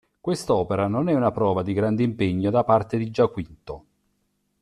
Quest'opera non è una prova di grande impegno da parte di Giaquinto.